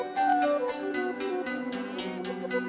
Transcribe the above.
kita mulai mencari ikan